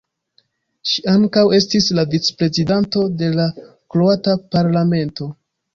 Ŝi ankaŭ estis la vicprezidanto de la Kroata Parlamento.